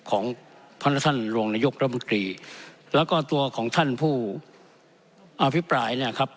ของพระท่านรองนายกรัฐมนตรีแล้วก็ตัวของท่านผู้อภิปรายเนี่ยครับ